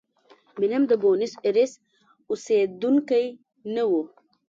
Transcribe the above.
مینم د بونیس ایرس اوسېدونکی نه و.